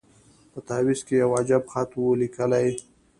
په تعویذ کي یو عجب خط وو لیکلی